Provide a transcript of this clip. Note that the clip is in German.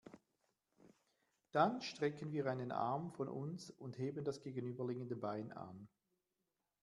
Dann strecken wir einen Arm von uns und heben das gegenüberliegende Bein an.